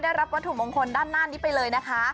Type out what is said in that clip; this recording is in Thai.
ได้รับวัตถุมงคลด้านหน้านี้ไปเลยนะคะ